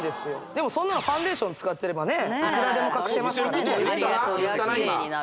でもそんなのファンデーション使ってればねねえいくらでも隠せますからね言ったな？